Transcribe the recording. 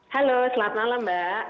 halo selamat malam mbak